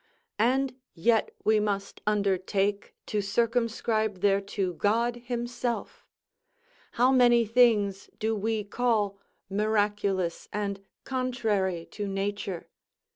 And yet we must undertake to circumscribe thereto God himself! How many things do we call miraculous, and contrary to nature?